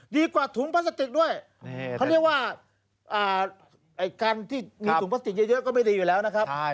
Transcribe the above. ดีกว่าถุงพลาสติกด้วยเขาเรียกว่าการที่มีถุงพลาสติกเยอะก็ไม่ดีอยู่แล้วนะครับ